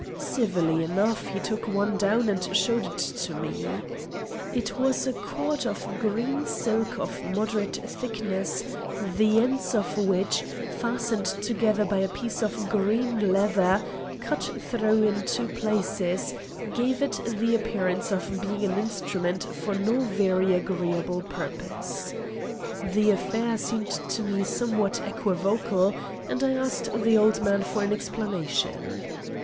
Civilly enough he took one down and showed it to me. It was a cord of green silk of moderate thickness, the ends of which, fastened together by a piece of green leather, cut through in two places, gave it the appearance of being an instrument for no very agreeable purpose. The affair seemed to me somewhat equivocal, and I asked the old man for an explanation.